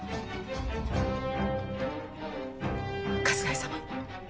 春日井様